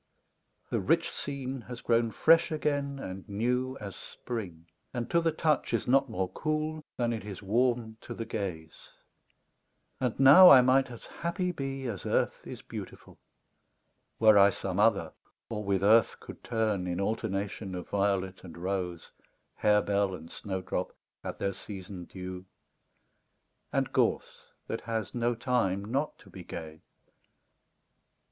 The rich scene has grown fresh again and new As Spring and to the touch is not more cool Than it is warm to the gaze ; and now I might As happy be as earth is beautiful, Were I some other or with earth could turn In alternation of violet and rose, Harebell and snowdrop, at their season due, And gorse that has no time not to be gay.